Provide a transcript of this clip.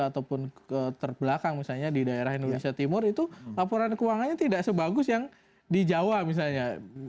ataupun terbelakang misalnya di daerah indonesia timur itu laporan keuangannya tidak sebagus yang di jawa misalnya